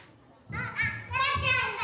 あっせっちゃんだ！